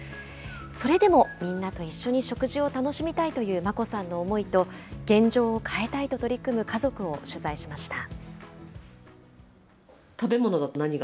それでも、みんなと一緒に食事を楽しみたいという真心さんの思いと、現状を変えたいと取り組む家族を取材しました。